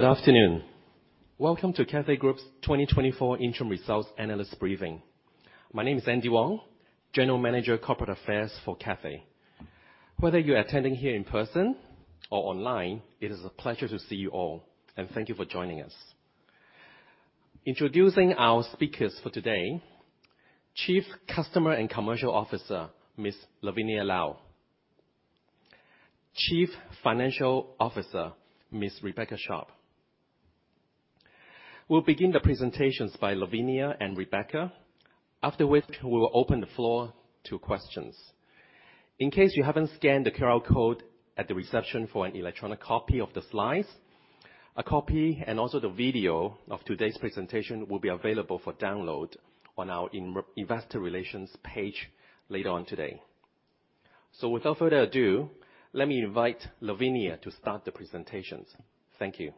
Good afternoon. Welcome to Cathay Group's 2024 Interim Results Analyst Briefing. My name is Andy Wong, General Manager, Corporate Affairs for Cathay. Whether you're attending here in person or online, it is a pleasure to see you all, and thank you for joining us. Introducing our speakers for today: Chief Customer and Commercial Officer, Ms. Lavinia Lau. Chief Financial Officer, Ms. Rebecca Sharpe. We'll begin the presentations by Lavinia and Rebecca, after which we will open the floor to questions. In case you haven't scanned the QR code at the reception for an electronic copy of the slides, a copy, and also the video of today's presentation will be available for download on our Investor Relations page later on today. So, without further ado, let me invite Lavinia to start the presentations. Thank you.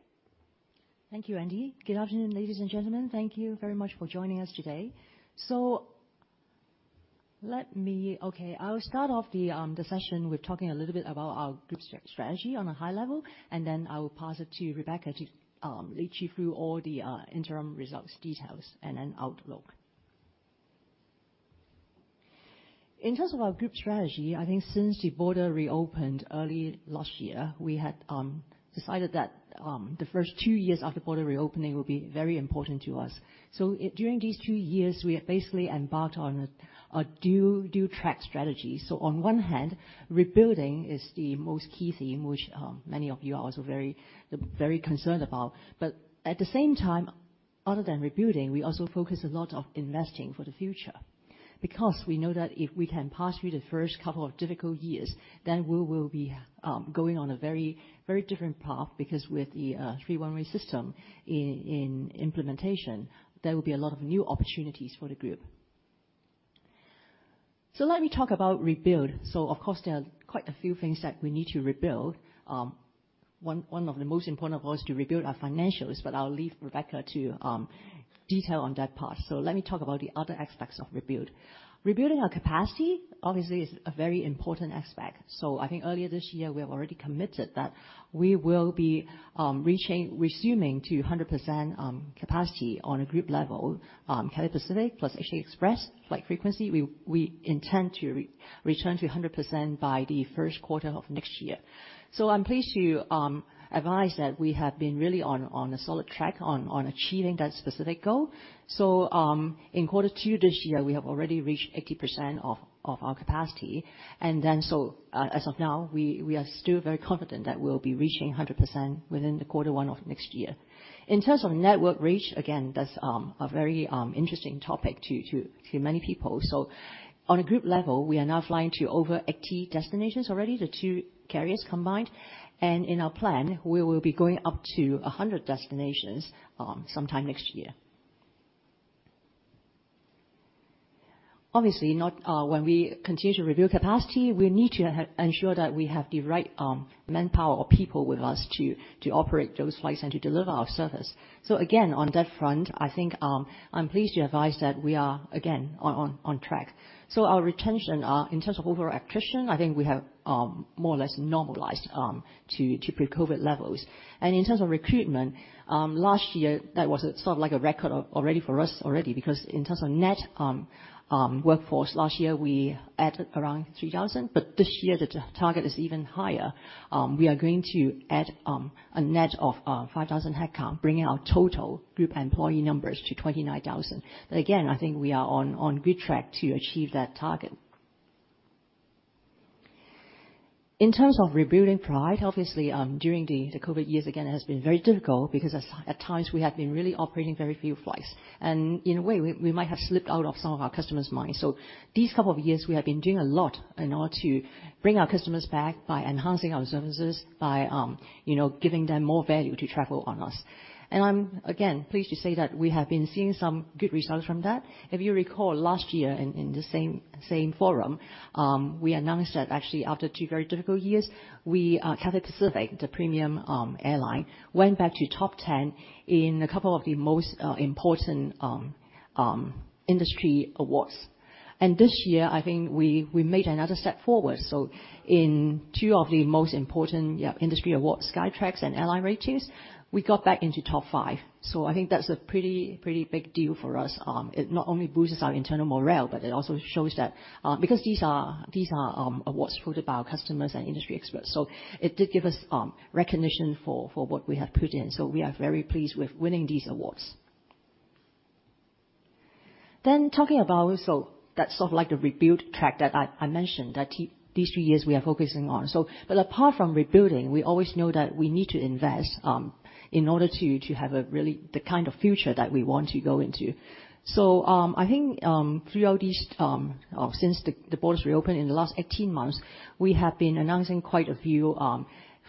Thank you, Andy. Good afternoon, ladies and gentlemen. Thank you very much for joining us today. So, I'll start off the session with talking a little bit about our group strategy on a high level, and then I will pass it to Rebecca to lead you through all the interim results details and then outlook. In terms of our group strategy, I think since the border reopened early last year, we had decided that the first two years after border reopening would be very important to us. So, during these two years, we have basically embarked on a dual-track strategy. So, on one hand, rebuilding is the most key theme, which many of you are also very concerned about. But at the same time, other than rebuilding, we also focus a lot on investing for the future because we know that if we can pass through the first couple of difficult years, then we will be going on a very, very different path because with the Three-Runway System in implementation, there will be a lot of new opportunities for the group. So, let me talk about rebuild. So, of course, there are quite a few things that we need to rebuild. One of the most important of all is to rebuild our financials, but I'll leave Rebecca to detail on that part. So, let me talk about the other aspects of rebuild. Rebuilding our capacity, obviously, is a very important aspect. I think earlier this year, we have already committed that we will be resuming to 100% capacity on a group level: Cathay Pacific plus HK Express flight frequency. We intend to return to 100% by the first quarter of next year. I'm pleased to advise that we have been really on a solid track on achieving that specific goal. In quarter two this year, we have already reached 80% of our capacity. As of now, we are still very confident that we'll be reaching 100% within the quarter one of next year. In terms of network reach, again, that's a very interesting topic to many people. On a group level, we are now flying to over 80 destinations already, the two carriers combined. In our plan, we will be going up to 100 destinations sometime next year. Obviously, when we continue to rebuild capacity, we need to ensure that we have the right manpower or people with us to operate those flights and to deliver our service. So, again, on that front, I think I'm pleased to advise that we are, again, on track. So, our retention, in terms of overall attrition, I think we have more or less normalized to pre-COVID levels. And in terms of recruitment, last year, that was sort of like a record already for us already because in terms of net workforce, last year we added around 3,000, but this year the target is even higher. We are going to add a net of 5,000 headcount, bringing our total group employee numbers to 29,000. But again, I think we are on good track to achieve that target. In terms of rebuilding pride, obviously, during the COVID years, again, it has been very difficult because at times we have been really operating very few flights. And in a way, we might have slipped out of some of our customers' minds. So, these couple of years, we have been doing a lot in order to bring our customers back by enhancing our services, by giving them more value to travel on us. And I'm, again, pleased to say that we have been seeing some good results from that. If you recall, last year in the same forum, we announced that actually, after two very difficult years, Cathay Pacific, the premium airline, went back to top 10 in a couple of the most important industry awards. And this year, I think we made another step forward. In two of the most important industry awards, Skytrax and AirlineRatings, we got back into top five. I think that's a pretty big deal for us. It not only boosts our internal morale, but it also shows that, because these are awards voted by our customers and industry experts. It did give us recognition for what we have put in. We are very pleased with winning these awards. That's sort of like the rebuild track that I mentioned that these two years we are focusing on. But apart from rebuilding, we always know that we need to invest in order to have a really the kind of future that we want to go into. So, I think throughout these, since the borders reopened in the last 18 months, we have been announcing quite a few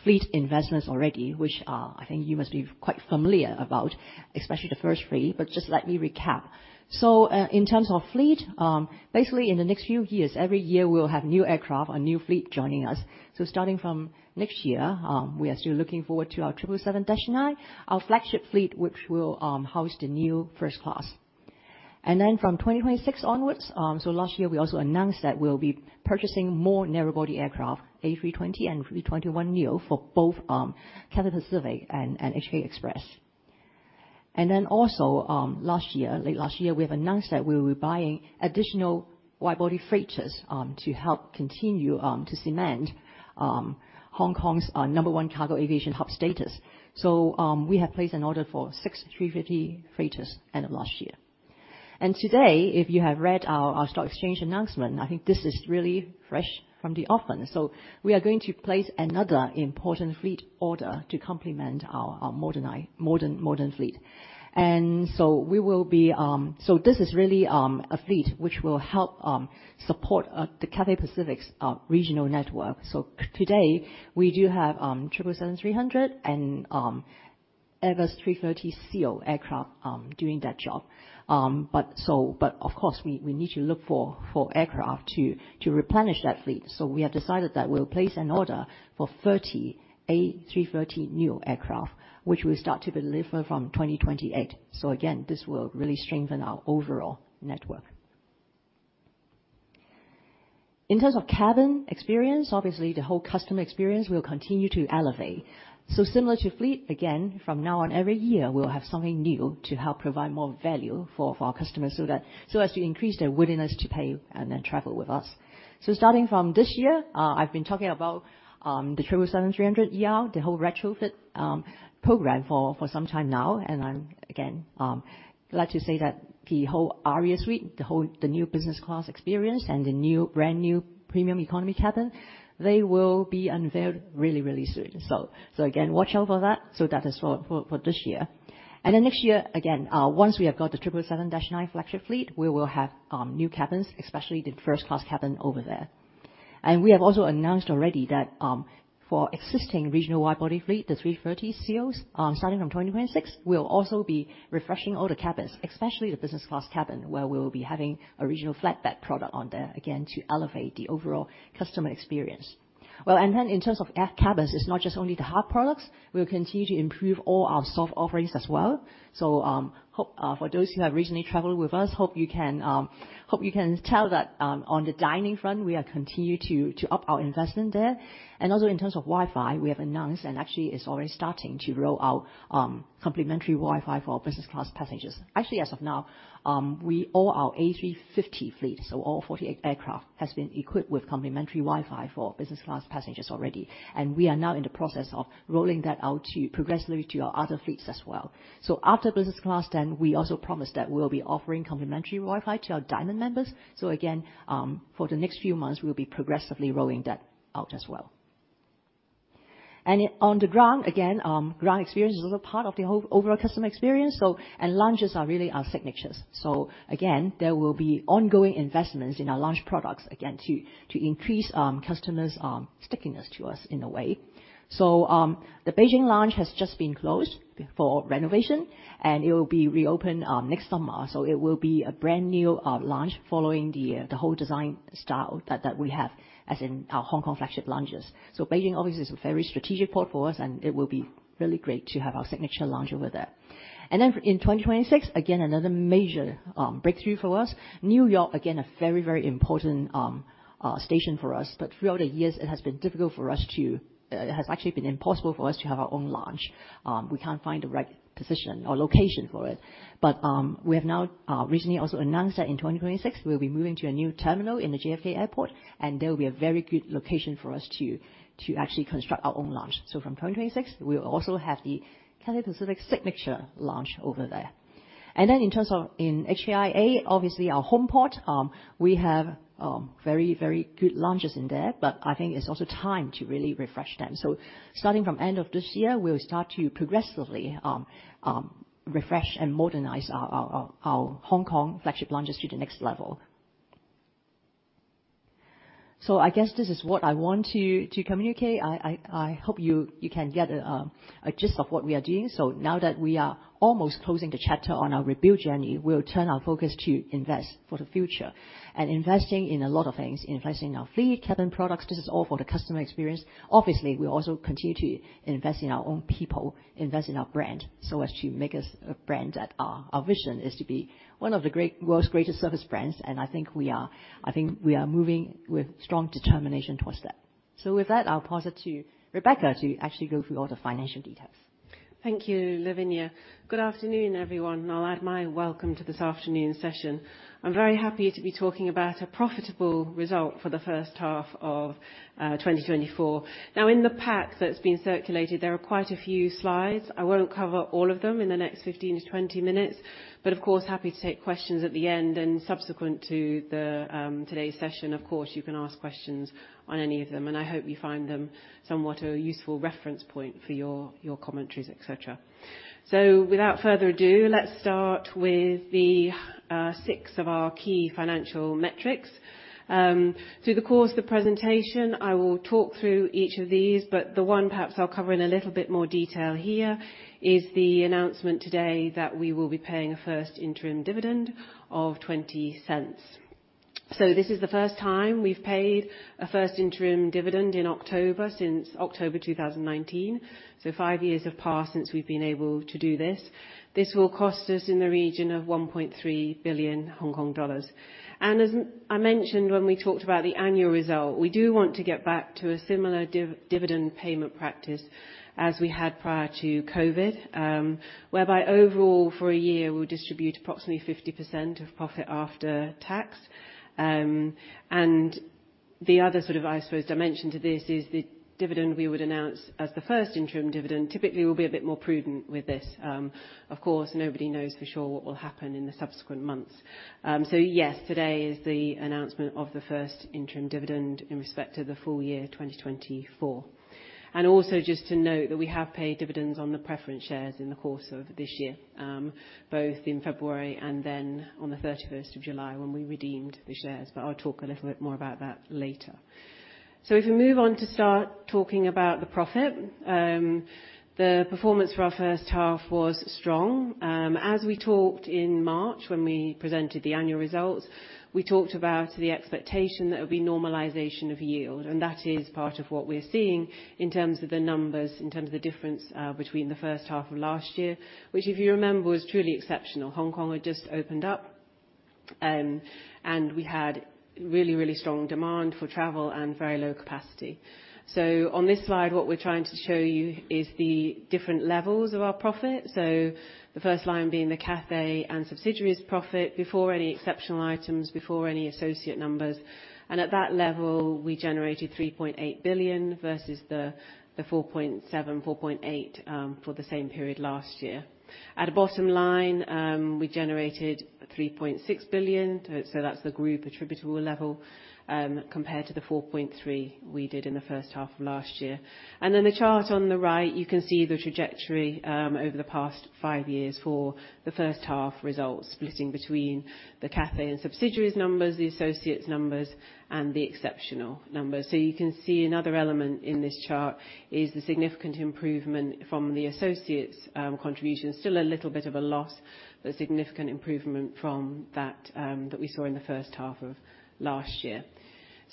fleet investments already, which I think you must be quite familiar about, especially the first three. But just let me recap. So, in terms of fleet, basically in the next few years, every year we'll have new aircraft, a new fleet joining us. So, starting from next year, we are still looking forward to our 777-9, our flagship fleet, which will house the new first class. And then from 2026 onwards, so last year we also announced that we'll be purchasing more narrowbody aircraft, A320 and A321neo for both Cathay Pacific and HK Express. And then also, last year, late last year, we have announced that we will be buying additional widebody freighters to help continue to cement Hong Kong's number one cargo aviation hub status. We have placed an order for 6 A350 freighters end of last year. Today, if you have read our stock exchange announcement, I think this is really fresh from the oven. We are going to place another important fleet order to complement our modern fleet. And so we will be, so this is really a fleet which will help support the Cathay Pacific's regional network. Today, we do have 777-300 and Airbus A330ceo aircraft doing that job. But of course, we need to look for aircraft to replenish that fleet. We have decided that we'll place an order for 30 A330neo aircraft, which will start to be delivered from 2028. Again, this will really strengthen our overall network. In terms of cabin experience, obviously the whole customer experience will continue to elevate. So similar to fleet, again, from now on every year, we'll have something new to help provide more value for our customers so as to increase their willingness to pay and then travel with us. Starting from this year, I've been talking about the 777-300ER, the whole retrofit program for some time now. I'm again glad to say that the whole Aria Suite, the whole new business class experience, and the new brand new premium economy cabin, they will be unveiled really, really soon. Again, watch out for that. That is for this year. Then next year, again, once we have got the 777-9 flagship fleet, we will have new cabins, especially the first class cabin over there. We have also announced already that for existing regional widebody fleet, the A330ceo, starting from 2026, we'll also be refreshing all the cabins, especially the business class cabin, where we will be having a regional flatbed product on there again to elevate the overall customer experience. Well, and then in terms of cabins, it's not just only the hub products. We'll continue to improve all our soft offerings as well. So for those who have recently traveled with us, hope you can tell that on the dining front, we are continuing to up our investment there. And also in terms of Wi-Fi, we have announced and actually it's already starting to roll out complimentary Wi-Fi for business class passengers. Actually, as of now, all our A350 fleet, so all 48 aircraft, has been equipped with complimentary Wi-Fi for business class passengers already. And we are now in the process of rolling that out progressively to our other fleets as well. So after business class, then we also promised that we'll be offering complimentary Wi-Fi to our Diamond members. So again, for the next few months, we'll be progressively rolling that out as well. And on the ground, again, ground experience is also part of the overall customer experience. And lounges are really our signatures. So again, there will be ongoing investments in our lounge products again to increase customers' stickiness to us in a way. So the Beijing lounge has just been closed for renovation, and it will be reopened next summer. So it will be a brand new lounge following the whole design style that we have as in our Hong Kong flagship lounges. So Beijing obviously is a very strategic port for us, and it will be really great to have our signature lounge over there. And then in 2026, again, another major breakthrough for us. New York, again, a very, very important station for us. But throughout the years, it has been difficult for us to; it has actually been impossible for us to have our own lounge. We can't find the right position or location for it. But we have now recently also announced that in 2026, we'll be moving to a new terminal in the JFK Airport, and there will be a very good location for us to actually construct our own lounge. So from 2026, we will also have the Cathay Pacific signature lounge over there. And then in terms of HKIA, obviously our home port, we have very, very good lounges in there, but I think it's also time to really refresh them. So starting from end of this year, we'll start to progressively refresh and modernize our Hong Kong flagship lounges to the next level. So I guess this is what I want to communicate. I hope you can get a gist of what we are doing. So now that we are almost closing the chapter on our rebuild journey, we'll turn our focus to invest for the future. And investing in a lot of things, investing in our fleet, cabin products, this is all for the customer experience. Obviously, we'll also continue to invest in our own people, invest in our brand so as to make us a brand that our vision is to be one of the world's greatest service brands. I think we are moving with strong determination towards that. With that, I'll pass it to Rebecca to actually go through all the financial details. Thank you, Lavinia. Good afternoon, everyone. I'll add my welcome to this afternoon session. I'm very happy to be talking about a profitable result for the first half of 2024. Now, in the pack that's been circulated, there are quite a few slides. I won't cover all of them in the next 15 minutes-20 minutes, but of course, happy to take questions at the end and subsequent to today's session. Of course, you can ask questions on any of them, and I hope you find them somewhat a useful reference point for your commentaries, etc. So without further ado, let's start with the six of our key financial metrics. Through the course of the presentation, I will talk through each of these, but the one perhaps I'll cover in a little bit more detail here is the announcement today that we will be paying a first interim dividend of 0.20. So this is the first time we've paid a first interim dividend in October since October 2019. So 5 years have passed since we've been able to do this. This will cost us in the region of 1.3 billion Hong Kong dollars. And as I mentioned when we talked about the annual result, we do want to get back to a similar dividend payment practice as we had prior to COVID, whereby overall for a year, we'll distribute approximately 50% of profit after tax. And the other sort of, I suppose, dimension to this is the dividend we would announce as the first interim dividend. Typically, we'll be a bit more prudent with this. Of course, nobody knows for sure what will happen in the subsequent months. So yes, today is the announcement of the first interim dividend in respect to the full year 2024. And also just to note that we have paid dividends on the preference shares in the course of this year, both in February and then on the 31st of July when we redeemed the shares. But I'll talk a little bit more about that later. So if we move on to start talking about the profit, the performance for our first half was strong. As we talked in March when we presented the annual results, we talked about the expectation that there will be normalization of yield. That is part of what we're seeing in terms of the numbers, in terms of the difference between the first half of last year, which if you remember was truly exceptional. Hong Kong had just opened up, and we had really, really strong demand for travel and very low capacity. On this slide, what we're trying to show you is the different levels of our profit. The first line being the Cathay and subsidiaries profit before any exceptional items, before any associate numbers. At that level, we generated 3.8 billion versus the 4.7 billion, 4.8 billion for the same period last year. At the bottom line, we generated 3.6 billion. That's the group attributable level compared to the 4.3 billion we did in the first half of last year. The chart on the right, you can see the trajectory over the past 5 years for the first half results splitting between the Cathay and subsidiaries numbers, the associates numbers, and the exceptional numbers. You can see another element in this chart is the significant improvement from the associates contribution. Still a little bit of a loss, but significant improvement from that we saw in the first half of last year.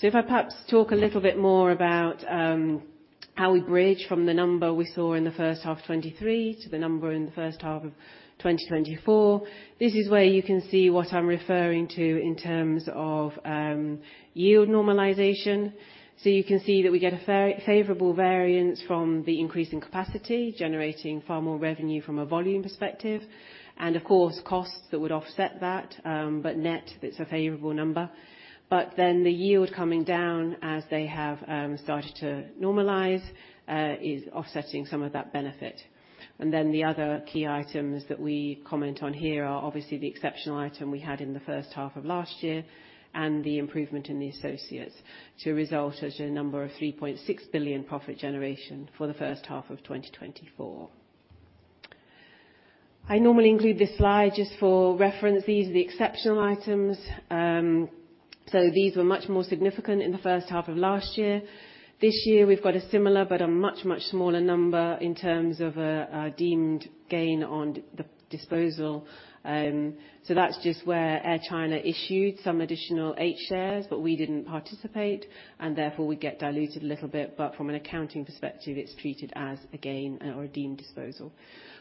If I perhaps talk a little bit more about how we bridge from the number we saw in the first half of 2023 to the number in the first half of 2024, this is where you can see what I'm referring to in terms of yield normalization. You can see that we get a favorable variance from the increase in capacity, generating far more revenue from a volume perspective. Of course, costs that would offset that, but net that's a favorable number. But then the yield coming down as they have started to normalize is offsetting some of that benefit. And then the other key items that we comment on here are obviously the exceptional item we had in the first half of last year and the improvement in the associates' result as a number of 3.6 billion profit generation for the first half of 2024. I normally include this slide just for reference. These are the exceptional items. So these were much more significant in the first half of last year. This year, we've got a similar, but a much, much smaller number in terms of a deemed gain on the disposal. So that's just where Air China issued some additional A shares, but we didn't participate. And therefore, we get diluted a little bit. But from an accounting perspective, it's treated as a gain or a deemed disposal.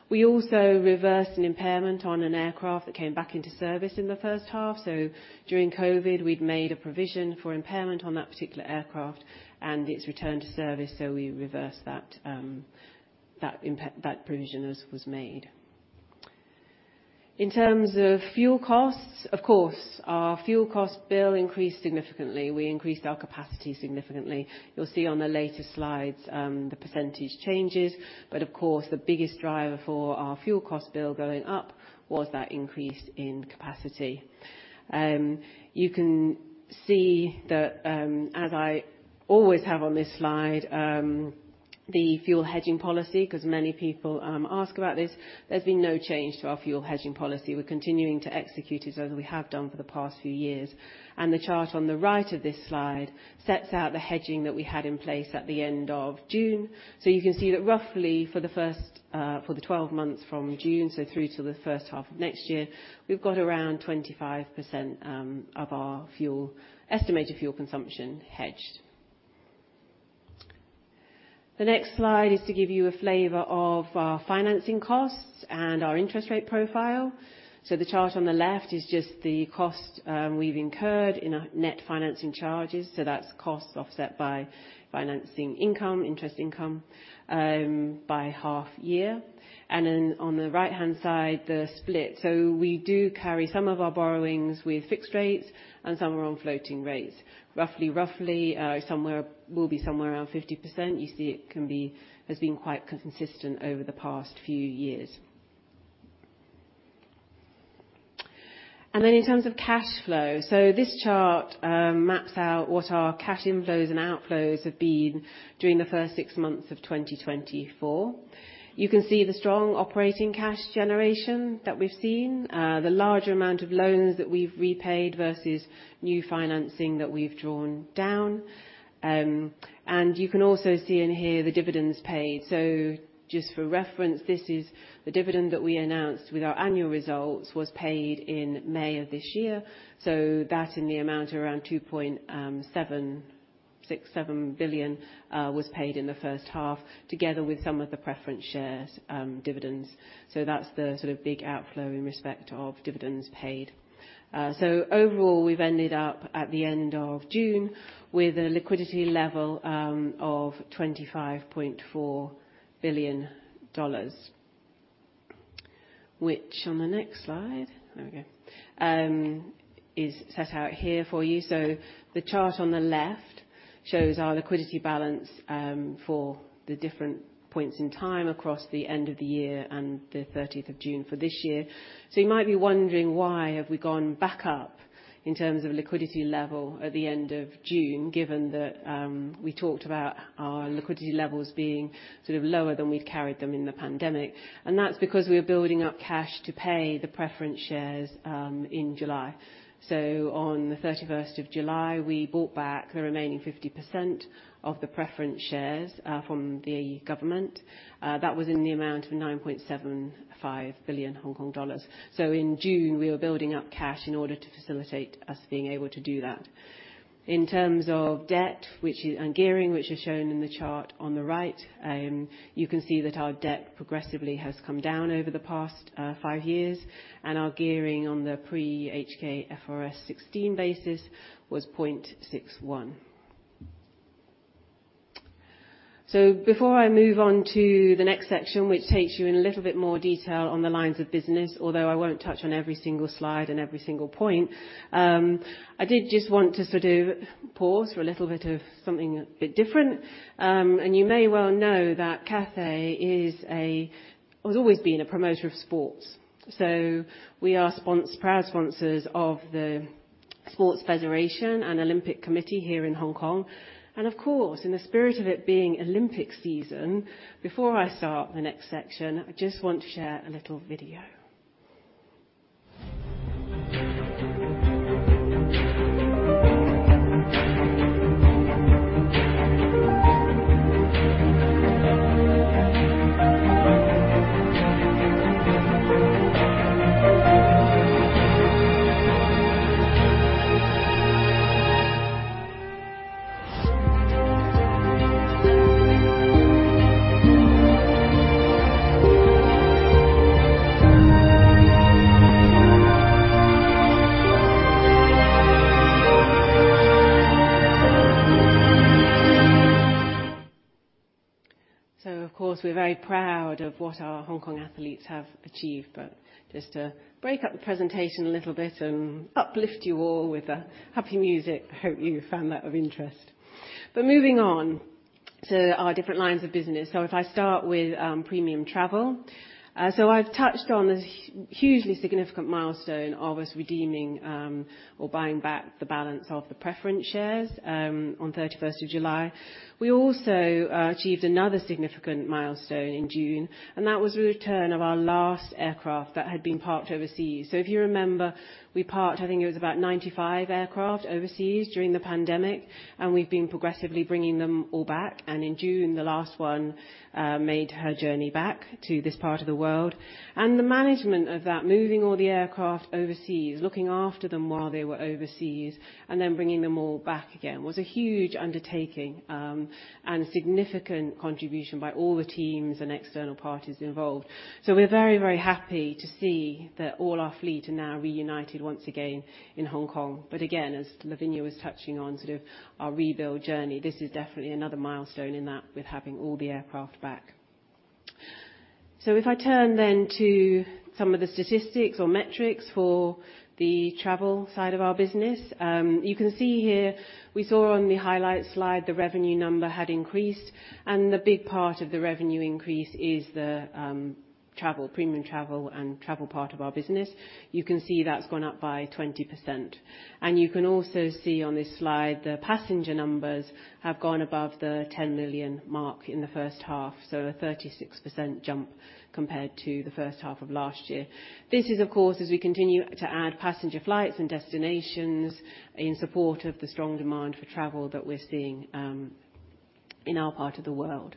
We also reversed an impairment on an aircraft that came back into service in the first half. So during COVID, we'd made a provision for impairment on that particular aircraft, and it's returned to service. So we reversed that provision that was made. In terms of fuel costs, of course, our fuel cost bill increased significantly. We increased our capacity significantly. You'll see on the latest slides the percentage changes. But of course, the biggest driver for our fuel cost bill going up was that increase in capacity. You can see that, as I always have on this slide, the fuel hedging policy, because many people ask about this. There's been no change to our fuel hedging policy. We're continuing to execute it as we have done for the past few years. The chart on the right of this slide sets out the hedging that we had in place at the end of June. So you can see that roughly for the 12 months from June through to the first half of next year, we've got around 25% of our estimated fuel consumption hedged. The next slide is to give you a flavor of our financing costs and our interest rate profile. So the chart on the left is just the cost we've incurred in net financing charges. So that's costs offset by financing income, interest income by half year. And then on the right-hand side, the split. So we do carry some of our borrowings with fixed rates and some are on floating rates. Roughly, we'll be somewhere around 50%. You see it has been quite consistent over the past few years. Then in terms of cash flow, so this chart maps out what our cash inflows and outflows have been during the first six months of 2024. You can see the strong operating cash generation that we've seen, the larger amount of loans that we've repaid versus new financing that we've drawn down. You can also see in here the dividends paid. Just for reference, this is the dividend that we announced with our annual results was paid in May of this year. That in the amount of around 2.67 billion was paid in the first half together with some of the preference shares dividends. That's the sort of big outflow in respect of dividends paid. So overall, we've ended up at the end of June with a liquidity level of $25.4 billion, which on the next slide, there we go, is set out here for you. So the chart on the left shows our liquidity balance for the different points in time across the end of the year and the 30th of June for this year. So you might be wondering why have we gone back up in terms of liquidity level at the end of June, given that we talked about our liquidity levels being sort of lower than we'd carried them in the pandemic. And that's because we were building up cash to pay the preference shares in July. So on the 31st of July, we bought back the remaining 50% of the preference shares from the government. That was in the amount of 9.75 billion Hong Kong dollars. So in June, we were building up cash in order to facilitate us being able to do that. In terms of debt and gearing, which is shown in the chart on the right, you can see that our debt progressively has come down over the past five years. Our gearing on the pre-HKFRS 16 basis was 0.61. Before I move on to the next section, which takes you in a little bit more detail on the lines of business, although I won't touch on every single slide and every single point, I did just want to sort of pause for a little bit of something a bit different. You may well know that Cathay has always been a promoter of sports. We are proud sponsors of the Sports Federation and Olympic Committee here in Hong Kong. Of course, in the spirit of it being Olympic season, before I start the next section, I just want to share a little video. Of course, we're very proud of what our Hong Kong athletes have achieved. But just to break up the presentation a little bit and uplift you all with happy music, I hope you found that of interest. But moving on to our different lines of business. If I start with premium travel, so I've touched on this hugely significant milestone of us redeeming or buying back the balance of the preference shares on 31st of July. We also achieved another significant milestone in June, and that was the return of our last aircraft that had been parked overseas. If you remember, we parked, I think it was about 95 aircraft overseas during the pandemic, and we've been progressively bringing them all back. In June, the last one made her journey back to this part of the world. The management of that, moving all the aircraft overseas, looking after them while they were overseas, and then bringing them all back again, was a huge undertaking and significant contribution by all the teams and external parties involved. So we're very, very happy to see that all our fleet are now reunited once again in Hong Kong. But again, as Lavinia was touching on, sort of our rebuild journey, this is definitely another milestone in that with having all the aircraft back. So if I turn then to some of the statistics or metrics for the travel side of our business, you can see here we saw on the highlight slide the revenue number had increased. The big part of the revenue increase is the premium travel and travel part of our business. You can see that's gone up by 20%. And you can also see on this slide, the passenger numbers have gone above the 10 million mark in the first half. So a 36% jump compared to the first half of last year. This is, of course, as we continue to add passenger flights and destinations in support of the strong demand for travel that we're seeing in our part of the world.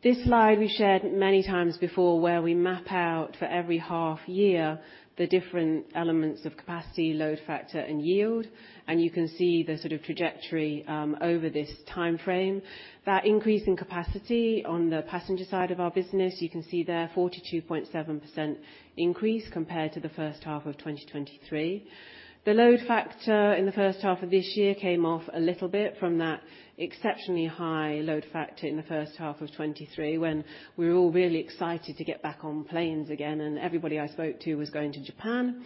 This slide we've shared many times before where we map out for every half year the different elements of capacity, load factor, and yield. And you can see the sort of trajectory over this timeframe. That increase in capacity on the passenger side of our business, you can see there 42.7% increase compared to the first half of 2023. The load factor in the first half of this year came off a little bit from that exceptionally high load factor in the first half of 2023 when we were all really excited to get back on planes again and everybody I spoke to was going to Japan.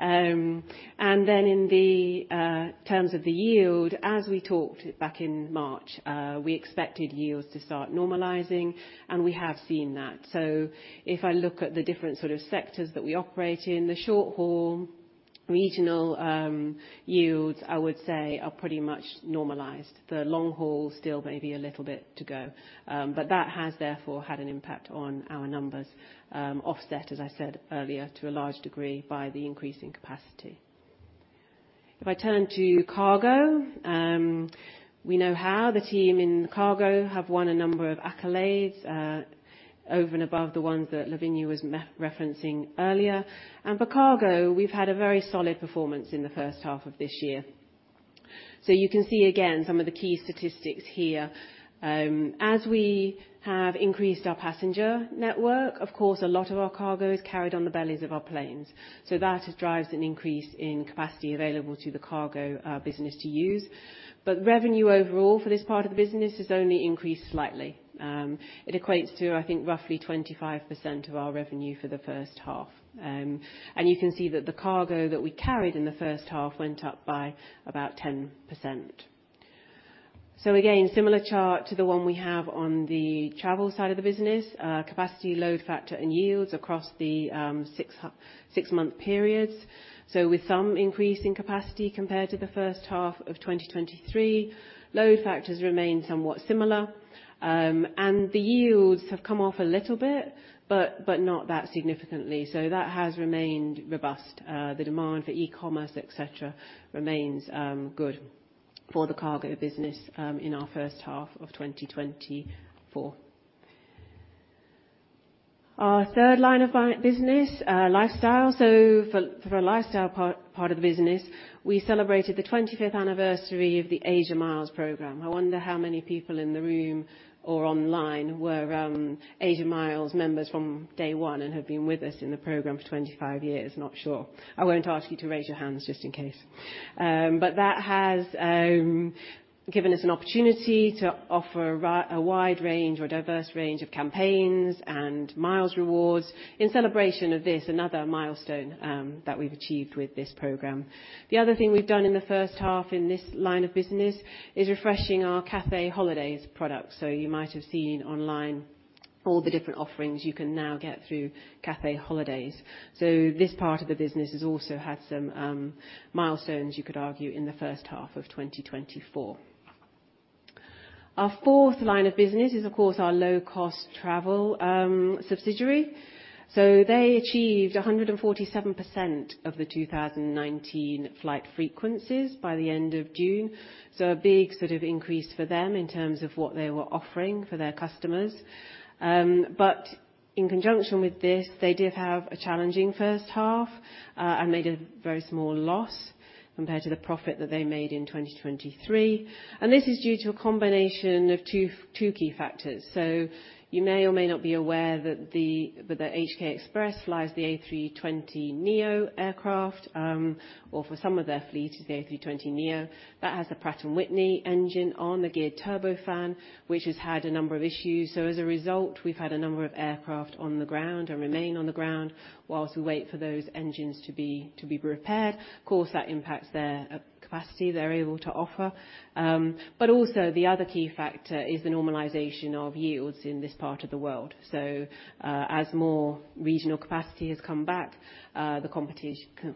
And then in terms of the yield, as we talked back in March, we expected yields to start normalizing, and we have seen that. So if I look at the different sort of sectors that we operate in, the short-haul regional yields, I would say, are pretty much normalized. The long-haul still may be a little bit to go. But that has therefore had an impact on our numbers offset, as I said earlier, to a large degree by the increase in capacity. If I turn to cargo, we know how the team in cargo have won a number of accolades over and above the ones that Lavinia was referencing earlier. And for cargo, we've had a very solid performance in the first half of this year. So you can see again some of the key statistics here. As we have increased our passenger network, of course, a lot of our cargo is carried on the bellies of our planes. So that drives an increase in capacity available to the cargo business to use. But revenue overall for this part of the business has only increased slightly. It equates to, I think, roughly 25% of our revenue for the first half. And you can see that the cargo that we carried in the first half went up by about 10%. So again, similar chart to the one we have on the travel side of the business, capacity, load factor, and yields across the six-month periods. So with some increase in capacity compared to the first half of 2023, load factors remain somewhat similar. And the yields have come off a little bit, but not that significantly. So that has remained robust. The demand for e-commerce, etc., remains good for the cargo business in our first half of 2024. Our third line of business, lifestyle. So for the lifestyle part of the business, we celebrated the 25th anniversary of the Asia Miles program. I wonder how many people in the room or online were Asia Miles members from day one and have been with us in the program for 25 years. Not sure. I won't ask you to raise your hands just in case. But that has given us an opportunity to offer a wide range or diverse range of campaigns and miles rewards in celebration of this, another milestone that we've achieved with this program. The other thing we've done in the first half in this line of business is refreshing our Cathay Holidays product. So you might have seen online all the different offerings you can now get through Cathay Holidays. So this part of the business has also had some milestones, you could argue, in the first half of 2024. Our fourth line of business is, of course, our low-cost travel subsidiary. So they achieved 147% of the 2019 flight frequencies by the end of June. So a big sort of increase for them in terms of what they were offering for their customers. In conjunction with this, they did have a challenging first half and made a very small loss compared to the profit that they made in 2023. This is due to a combination of two key factors. You may or may not be aware that the HK Express flies the A320neo aircraft, or for some of their fleet is the A320neo. That has the Pratt & Whitney engine on the geared turbofan, which has had a number of issues. As a result, we've had a number of aircraft on the ground and remain on the ground whilst we wait for those engines to be repaired. Of course, that impacts their capacity they're able to offer. The other key factor is the normalization of yields in this part of the world. As more regional capacity has come back, the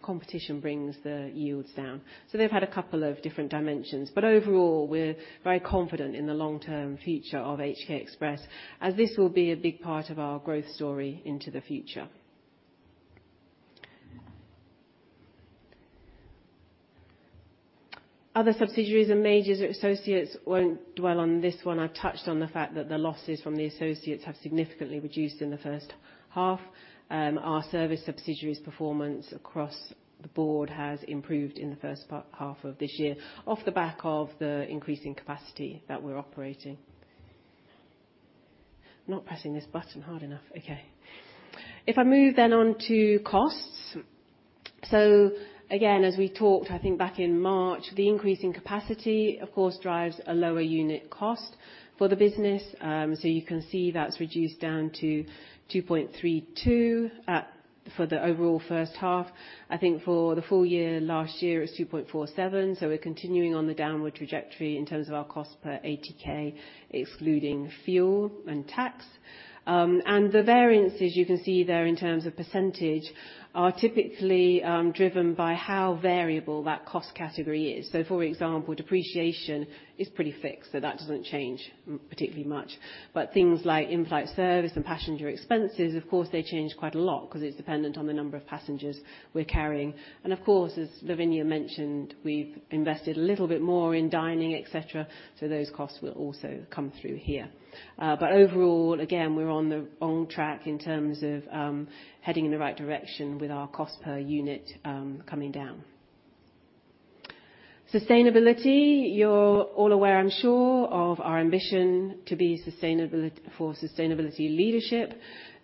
competition brings the yields down. So they've had a couple of different dimensions. But overall, we're very confident in the long-term future of HK Express, as this will be a big part of our growth story into the future. Other subsidiaries and majors or associates won't dwell on this one. I've touched on the fact that the losses from the associates have significantly reduced in the first half. Our service subsidiary's performance across the board has improved in the first half of this year off the back of the increasing capacity that we're operating. Not pressing this button hard enough. Okay. If I move then on to costs. So again, as we talked, I think back in March, the increasing capacity, of course, drives a lower unit cost for the business. So you can see that's reduced down to 2.32 for the overall first half. I think for the full year last year, it's 2.47. So we're continuing on the downward trajectory in terms of our cost per ATK, excluding fuel and tax. The variances, you can see there in terms of percentage, are typically driven by how variable that cost category is. For example, depreciation is pretty fixed, so that doesn't change particularly much. Things like in-flight service and passenger expenses, of course, they change quite a lot because it's dependent on the number of passengers we're carrying. Of course, as Lavinia mentioned, we've invested a little bit more in dining, etc. Those costs will also come through here. Overall, again, we're on the wrong track in terms of heading in the right direction with our cost per unit coming down. Sustainability. You're all aware, I'm sure, of our ambition to be for sustainability leadership.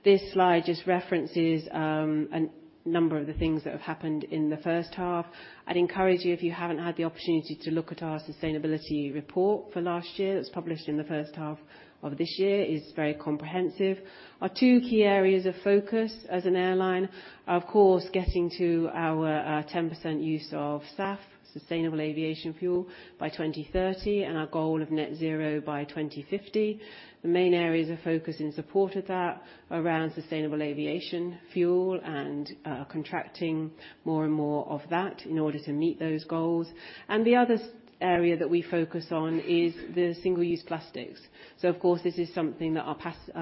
This slide just references a number of the things that have happened in the first half. I'd encourage you, if you haven't had the opportunity to look at our sustainability report for last year that was published in the first half of this year. It is very comprehensive. Our two key areas of focus as an airline, of course, getting to our 10% use of SAF, sustainable aviation fuel, by 2030, and our goal of net zero by 2050. The main areas of focus in support of that are around sustainable aviation fuel and contracting more and more of that in order to meet those goals. The other area that we focus on is the single-use plastics. Of course, this is something that our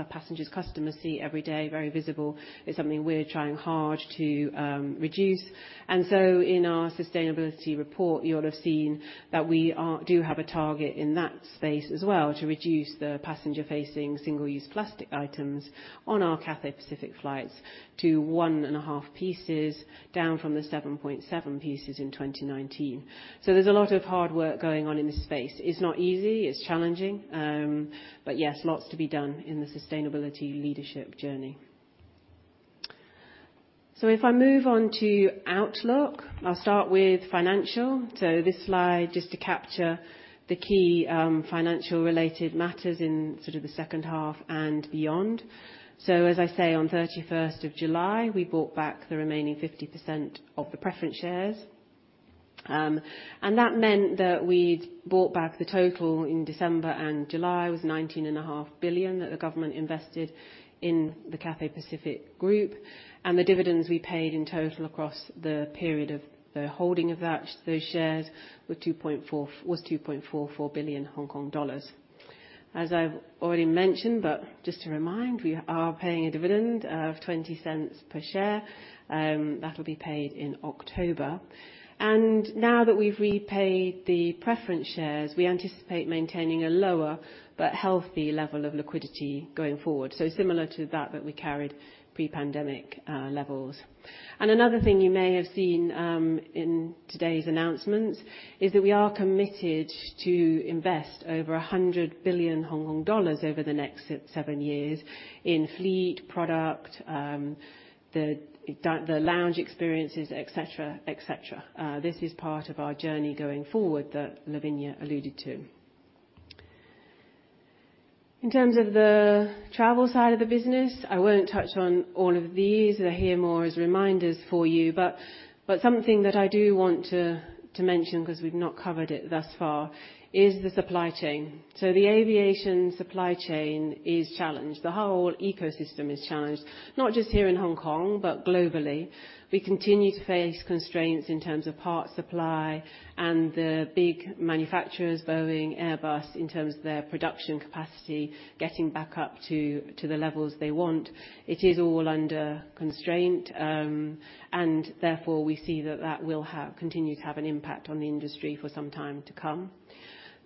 passengers, customers see every day, very visible. It's something we're trying hard to reduce. And so in our sustainability report, you'll have seen that we do have a target in that space as well to reduce the passenger-facing single-use plastic items on our Cathay Pacific flights to 1.5 pieces down from the 7.7 pieces in 2019. So there's a lot of hard work going on in this space. It's not easy. It's challenging. But yes, lots to be done in the sustainability leadership journey. So if I move on to Outlook, I'll start with financial. So this slide just to capture the key financial-related matters in sort of the second half and beyond. So as I say, on 31st of July, we bought back the remaining 50% of the Preference Shares. And that meant that we bought back the total in December and July was 19.5 billion that the government invested in the Cathay Pacific group. And the dividends we paid in total across the period of the holding of those shares was 2.44 billion Hong Kong dollars. As I've already mentioned, but just to remind, we are paying a dividend of 0.20 per share. That'll be paid in October. And now that we've repaid the preference shares, we anticipate maintaining a lower but healthy level of liquidity going forward. So similar to that that we carried pre-pandemic levels. And another thing you may have seen in today's announcements is that we are committed to invest over 100 billion Hong Kong dollars over the next 7 years in fleet, product, the lounge experiences, etc., etc. This is part of our journey going forward that Lavinia alluded to. In terms of the travel side of the business, I won't touch on all of these. They're here more as reminders for you. But something that I do want to mention because we've not covered it thus far is the supply chain. So the aviation supply chain is challenged. The whole ecosystem is challenged, not just here in Hong Kong, but globally. We continue to face constraints in terms of parts supply and the big manufacturers, Boeing, Airbus, in terms of their production capacity getting back up to the levels they want. It is all under constraint. And therefore, we see that that will continue to have an impact on the industry for some time to come.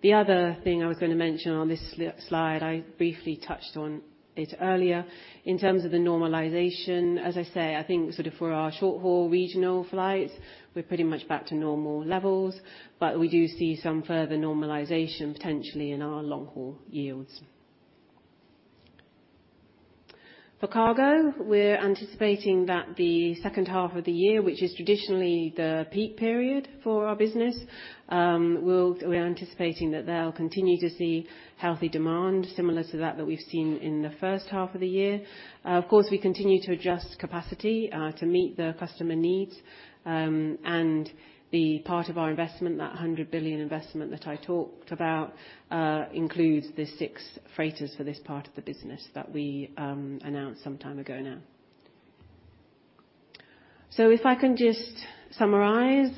The other thing I was going to mention on this slide, I briefly touched on it earlier. In terms of the normalization, as I say, I think sort of for our short-haul regional flights, we're pretty much back to normal levels. But we do see some further normalization potentially in our long-haul yields. For cargo, we're anticipating that the second half of the year, which is traditionally the peak period for our business, we're anticipating that they'll continue to see healthy demand similar to that that we've seen in the first half of the year. Of course, we continue to adjust capacity to meet the customer needs. The part of our investment, that 100 billion investment that I talked about, includes the 6 freighters for this part of the business that we announced some time ago now. If I can just summarise,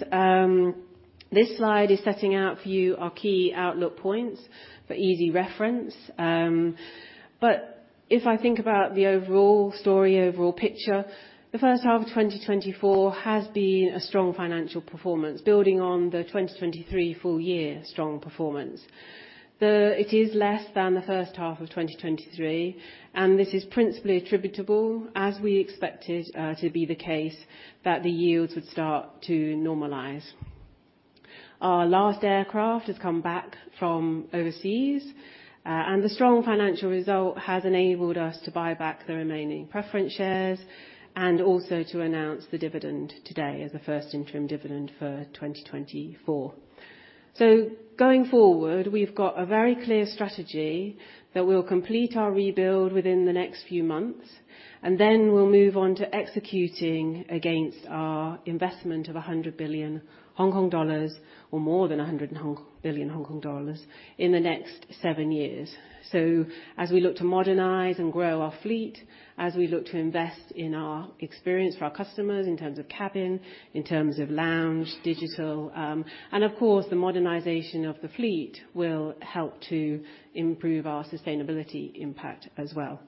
this slide is setting out for you our key outlook points for easy reference. If I think about the overall story, overall picture, the first half of 2024 has been a strong financial performance, building on the 2023 full year strong performance. It is less than the first half of 2023. This is principally attributable, as we expected to be the case, that the yields would start to normalize. Our last aircraft has come back from overseas. The strong financial result has enabled us to buy back the remaining preference shares and also to announce the dividend today as a first interim dividend for 2024. Going forward, we've got a very clear strategy that we'll complete our rebuild within the next few months. Then we'll move on to executing against our investment of 100 billion Hong Kong dollars or more than 100 billion Hong Kong dollars in the next seven years. As we look to modernize and grow our fleet, as we look to invest in our experience for our customers in terms of cabin, in terms of lounge, digital. Of course, the modernization of the fleet will help to improve our sustainability impact as well.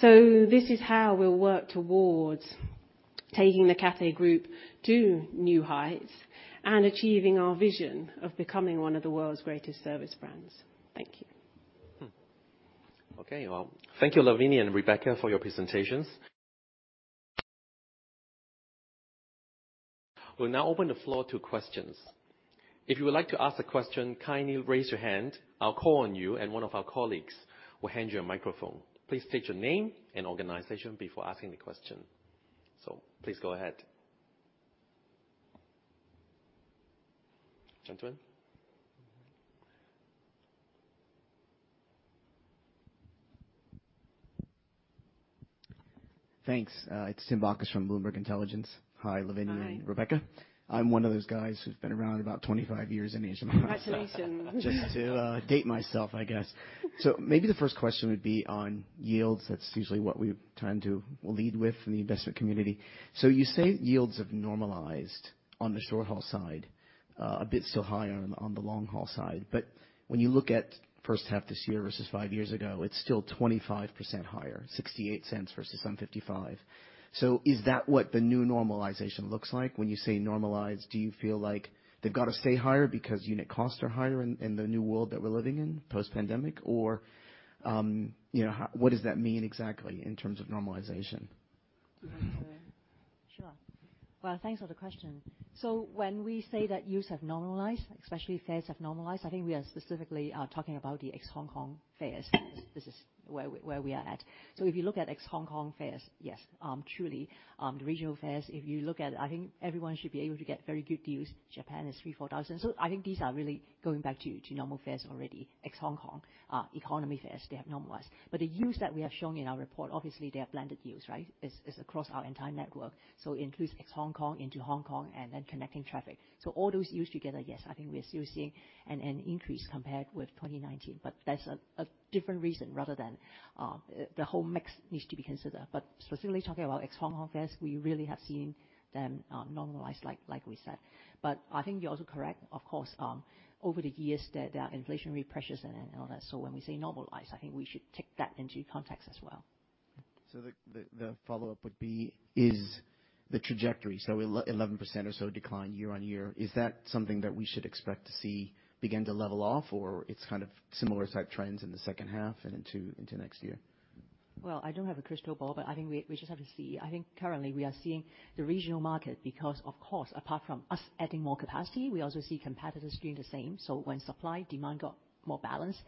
So this is how we'll work towards taking the Cathay Group to new heights and achieving our vision of becoming one of the world's greatest service brands. Thank you. Okay. Well, thank you, Lavinia and Rebecca, for your presentations. We'll now open the floor to questions. If you would like to ask a question, kindly raise your hand. I'll call on you, and one of our colleagues will hand you a microphone. Please state your name and organization before asking the question. So please go ahead. Gentlemen. Thanks. It's Tim Bacchus from Bloomberg Intelligence. Hi, Lavinia and Rebecca. I'm one of those guys who's been around about 25 years in Asia Miles. Congratulations. Just to date myself, I guess. So maybe the first question would be on yields. That's usually what we tend to lead with in the investment community. So you say yields have normalized on the short-haul side, a bit still higher on the long-haul side. But when you look at first half this year versus five years ago, it's still 25% higher, $0.68 versus $1.55. So is that what the new normalization looks like? When you say normalized, do you feel like they've got to stay higher because unit costs are higher in the new world that we're living in post-pandemic? Or what does that mean exactly in terms of normalization? Sure. Well, thanks for the question. So when we say that yields have normalized, especially fares have normalized, I think we are specifically talking about the ex-Hong Kong fares. This is where we are at. So if you look at ex-Hong Kong fares, yes, truly. The regional fares, if you look at it, I think everyone should be able to get very good deals. Japan is 3,000-4,000. So I think these are really going back to normal fares already. Ex-Hong Kong economy fares, they have normalized. But the yields that we have shown in our report, obviously, they are blended yields, right? It's across our entire network. So it includes ex-Hong Kong into Hong Kong and then connecting traffic. So all those yields together, yes, I think we're still seeing an increase compared with 2019. But that's a different reason rather than the whole mix needs to be considered. But specifically talking about ex-Hong Kong fares, we really have seen them normalized, like we said. But I think you're also correct, of course, over the years, there are inflationary pressures and all that. So when we say normalized, I think we should take that into context as well. So the follow-up would be, is the trajectory, so 11% or so decline year-on-year, is that something that we should expect to see begin to level off, or it's kind of similar type trends in the second half and into next year? Well, I don't have a crystal ball, but I think we just have to see. I think currently we are seeing the regional market, because of course, apart from us adding more capacity, we also see competitors doing the same. So when supply demand got more balanced,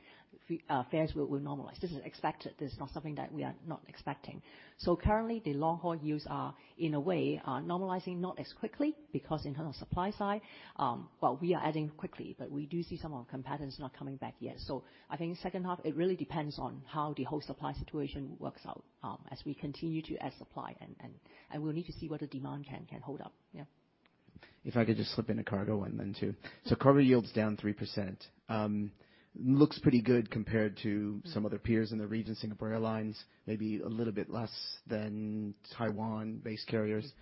fares will normalize. This is expected. This is not something that we are not expecting. So currently, the long-haul yields are, in a way, normalizing not as quickly because in terms of supply side, well, we are adding quickly, but we do see some of our competitors not coming back yet. So I think second half, it really depends on how the whole supply situation works out as we continue to add supply. And we'll need to see whether demand can hold up. Yeah. If I could just slip in a cargo one then too. So cargo yields down 3%. Looks pretty good compared to some other peers in the region, Singapore Airlines, maybe a little bit less than Taiwan-based carriers.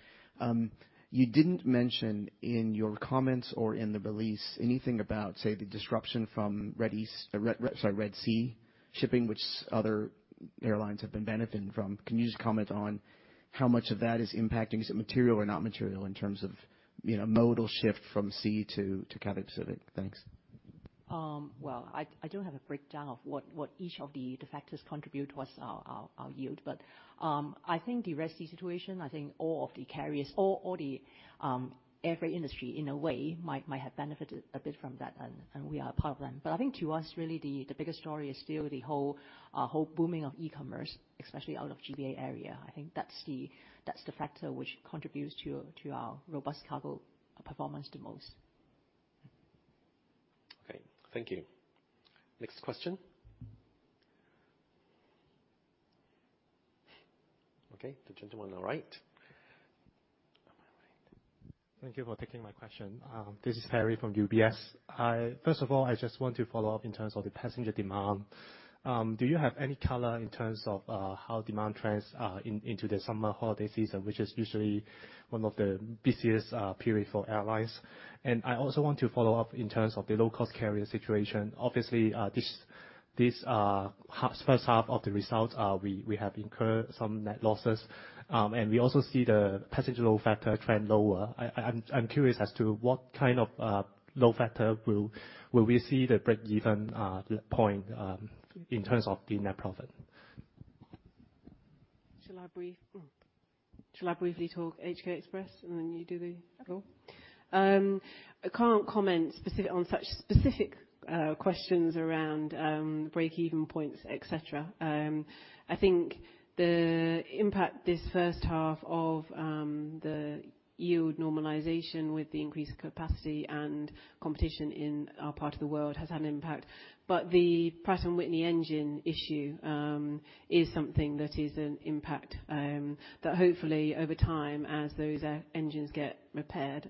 You didn't mention in your comments or in the release anything about, say, the disruption from Red Sea shipping, which other airlines have been benefiting from. Can you just comment on how much of that is impacting? Is it material or not material in terms of modal shift from sea to Cathay Pacific? Thanks. Well, I don't have a breakdown of what each of the factors contribute towards our yield. But I think the Red Sea situation, I think all of the carriers, all the airfreight industry in a way might have benefited a bit from that. And we are a part of them. But I think to us, really, the biggest story is still the whole booming of e-commerce, especially out of GBA area. I think that's the factor which contributes to our robust cargo performance the most. Okay. Thank you. Next question. Okay. The gentleman on the right. Thank you for taking my question. This is Perry from UBS. First of all, I just want to follow up in terms of the passenger demand. Do you have any color in terms of how demand trends into the summer holiday season, which is usually one of the busiest periods for airlines? And I also want to follow up in terms of the low-cost carrier situation. Obviously, this first half of the result, we have incurred some net losses. And we also see the passenger load factor trend lower. I'm curious as to what kind of load factor will we see the break-even point in terms of the net profit? Shall I briefly talk HK Express, and then you do the color? Can't comment specific on such specific questions around break-even points, etc. I think the impact this first half of the yield normalization with the increased capacity and competition in our part of the world has had an impact. But the Pratt & Whitney engine issue is something that is an impact that hopefully over time, as those engines get repaired,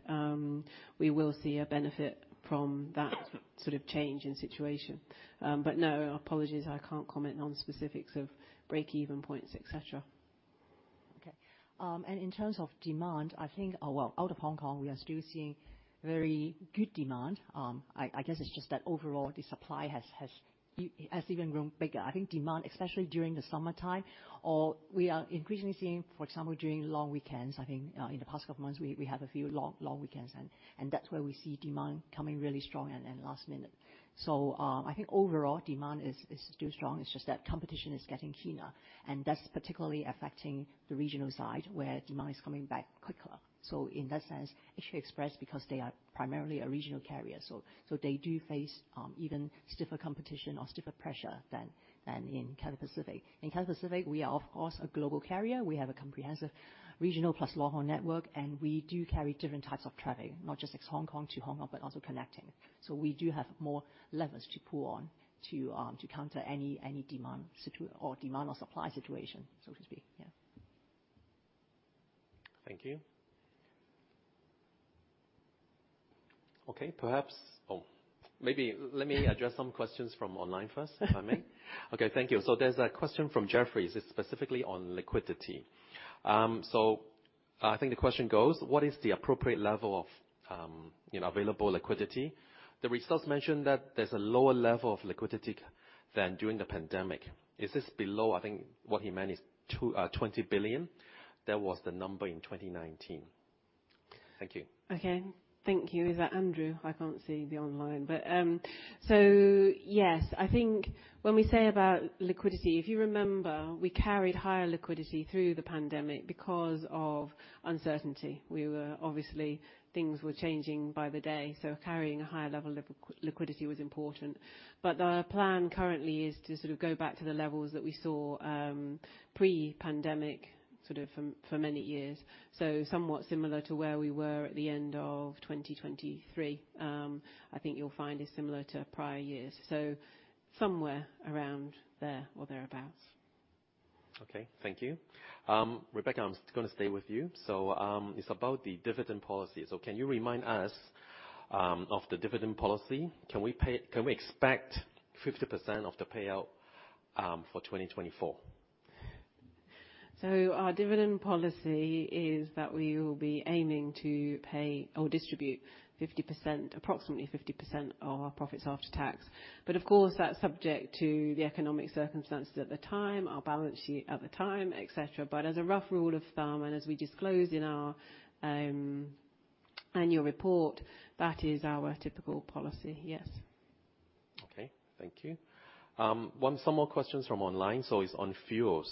we will see a benefit from that sort of change in situation. But no, apologies, I can't comment on specifics of break-even points, etc. Okay. And in terms of demand, I think, well, out of Hong Kong, we are still seeing very good demand. I guess it's just that overall, the supply has even grown bigger. I think demand, especially during the summertime, or we are increasingly seeing, for example, during long weekends, I think in the past couple of months, we have a few long weekends. And that's where we see demand coming really strong and last minute. So I think overall, demand is still strong. It's just that competition is getting keener. And that's particularly affecting the regional side where demand is coming back quicker. So in that sense, HK Express, because they are primarily a regional carrier, so they do face even stiffer competition or stiffer pressure than in Cathay Pacific. In Cathay Pacific, we are, of course, a global carrier. We have a comprehensive regional plus long-haul network. And we do carry different types of travel, not just ex-Hong Kong to Hong Kong, but also connecting. So we do have more levers to pull on to counter any demand or supply situation, so to speak. Yeah. Thank you. Okay. Perhaps, oh, maybe let me address some questions from online first, if I may. Okay. Thank you. So there's a question from Jeffrey. This is specifically on liquidity. So I think the question goes, what is the appropriate level of available liquidity? The results mentioned that there's a lower level of liquidity than during the pandemic. Is this below? I think what he meant is 20 billion. That was the number in 2019. Thank you. Okay. Thank you. Is that Andrew? I can't see the online. But so yes, I think when we say about liquidity, if you remember, we carried higher liquidity through the pandemic because of uncertainty. Obviously, things were changing by the day. So carrying a higher level of liquidity was important. But our plan currently is to sort of go back to the levels that we saw pre-pandemic sort of for many years. So somewhat similar to where we were at the end of 2023, I think you'll find is similar to prior years. So somewhere around there or thereabouts. Okay. Thank you. Rebecca, I'm going to stay with you. So it's about the dividend policy. So can you remind us of the dividend policy? Can we expect 50% of the payout for 2024? Our dividend policy is that we will be aiming to pay or distribute approximately 50% of our profits after tax. But of course, that's subject to the economic circumstances at the time, our balance sheet at the time, etc. But as a rough rule of thumb, and as we disclose in our annual report, that is our typical policy. Yes. Okay. Thank you. Some more questions from online. It's on fuel.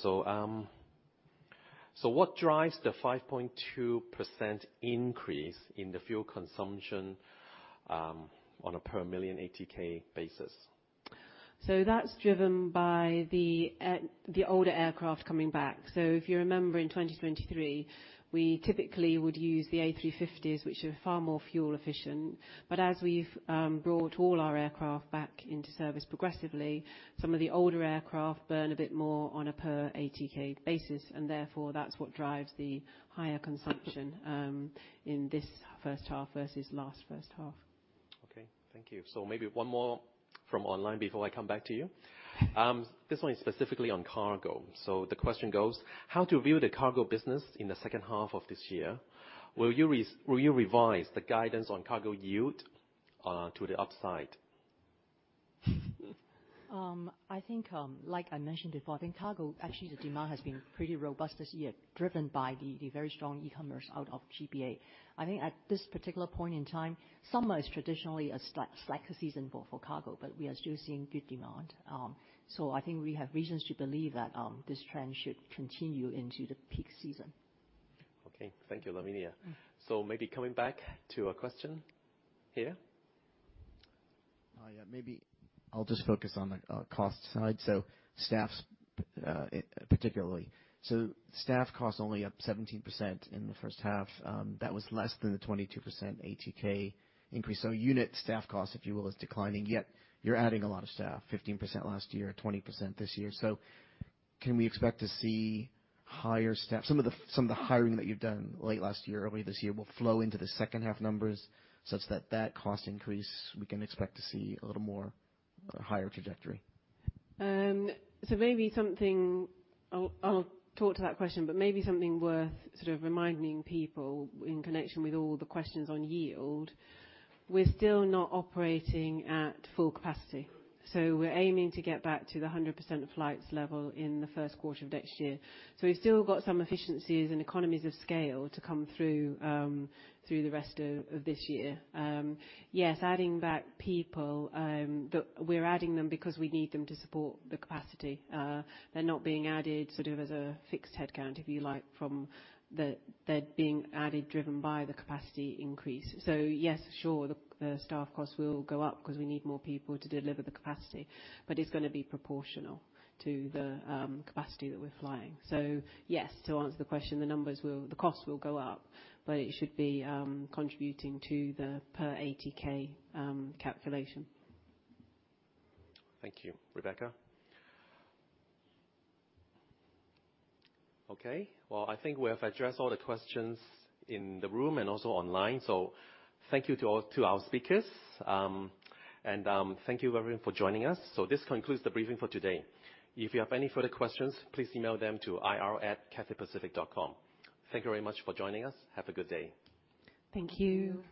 What drives the 5.2% increase in the fuel consumption on a per million ATK basis? That's driven by the older aircraft coming back. If you remember in 2023, we typically would use the A350s, which are far more fuel efficient. But as we've brought all our aircraft back into service progressively, some of the older aircraft burn a bit more on a per ATK basis. Therefore, that's what drives the higher consumption in this first half versus last first half. Okay. Thank you. So maybe one more from online before I come back to you. This one is specifically on cargo. So the question goes, how to view the cargo business in the second half of this year? Will you revise the guidance on cargo yield to the upside? I think, like I mentioned before, I think cargo, actually, the demand has been pretty robust this year, driven by the very strong e-commerce out of GBA. I think at this particular point in time, summer is traditionally a slack season for cargo, but we are still seeing good demand. So I think we have reasons to believe that this trend should continue into the peak season. Okay. Thank you, Lavinia. So maybe coming back to a question here. Maybe I'll just focus on the cost side. So staff, particularly. So staff cost only up 17% in the first half. That was less than the 22% ATK increase. So unit staff cost, if you will, is declining. Yet you're adding a lot of staff, 15% last year, 20% this year. So can we expect to see higher staff? Some of the hiring that you've done late last year, early this year, will flow into the second half numbers such that that cost increase, we can expect to see a little more higher trajectory. So maybe something I'll talk to that question, but maybe something worth sort of reminding people in connection with all the questions on yield. We're still not operating at full capacity. So we're aiming to get back to the 100% flights level in the first quarter of next year. So we've still got some efficiencies and economies of scale to come through the rest of this year. Yes, adding back people, we're adding them because we need them to support the capacity. They're not being added sort of as a fixed headcount, if you like, they're being added driven by the capacity increase. So yes, sure, the staff cost will go up because we need more people to deliver the capacity. But it's going to be proportional to the capacity that we're flying. So yes, to answer the question, the numbers, the cost will go up, but it should be contributing to the per ATK calculation. Thank you, Rebecca. Okay. Well, I think we have addressed all the questions in the room and also online. So thank you to our speakers. And thank you everyone for joining us. So this concludes the briefing for today. If you have any further questions, please email them to ir@cathaypacific.com. Thank you very much for joining us. Have a good day. Thank you.